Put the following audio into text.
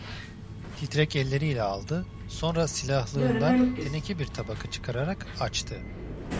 Titrek elleriyle aldı, sonra silahlığından teneke bir tabaka çıkararak açtı.